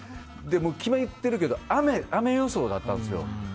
決まってるけど雨予想だったんですよ。